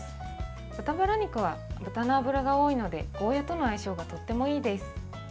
豚バラ肉は豚の脂が多いのでゴーヤーとの相性がとってもいいです。